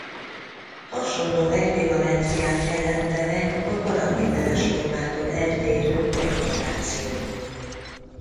Hasonló ekvivalenciát jelentenek a paraméteres formától eltérő deklarációk.